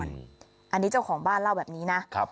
อันนี้เจ้าของบ้านเล่าแบบนี้นะ